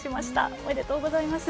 おめでとうございます。